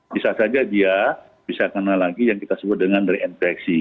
bisa saja dia bisa kena lagi yang kita sebut dengan reinfeksi